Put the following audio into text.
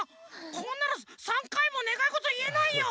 こんなの３かいもねがいごといえないよ！